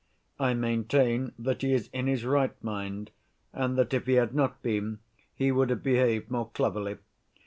I maintain that he is in his right mind, and that if he had not been, he would have behaved more cleverly.